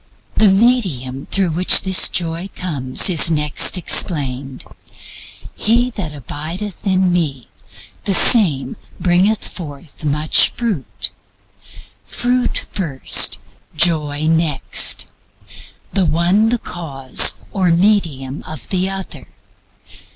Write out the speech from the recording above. The medium through which this Joy comes is next explained: "He that abideth in Me, the same bringeth forth much fruit." Fruit first, Joy next; the one the cause or medium of the other.